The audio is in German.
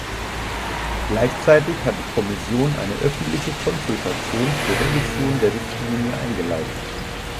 Gleichzeitig hat die Kommission eine öffentliche Konsultation zur Revision der Richtlinie eingeleitet.